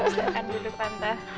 selesai kan dulu tante